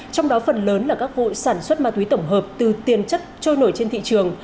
trong đó phần lớn là các vụ sản xuất ma túy tổng hợp từ tiền chất trôi nổi trên thị trường